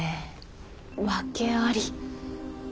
訳あり？